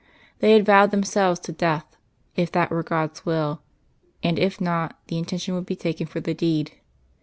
They had vowed themselves to death, if that were God's Will; and if not, the intention would be taken for the deed.